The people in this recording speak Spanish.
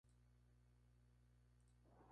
La Mondragón!